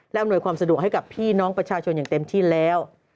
อำนวยความสะดวกให้กับพี่น้องประชาชนอย่างเต็มที่แล้ว